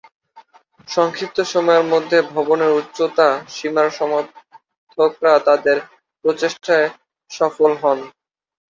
সংক্ষিপ্ত সময়ের মধ্যে, ভবনের উচ্চতা সীমার সমর্থকরা তাদের প্রচেষ্টায় সফল ছিলেন।